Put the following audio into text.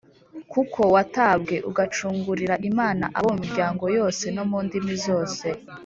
kuko watambwe ugacungurira Imana abo mu miryango yose no mu ndimi zose,